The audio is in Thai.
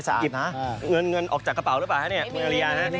เดอะกรี๊กเอาออกจากกระเป๋าหรือเปล่าครับเนี่ยมือเรียนะแม่กรี๊